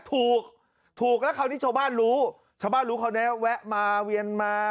ถูกถูกแล้วคราวนี้ชาวบ้านรู้ชาวบ้านรู้เขาแนะแวะมาเวียนมา